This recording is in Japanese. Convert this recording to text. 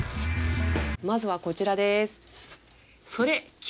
まずはこちらです。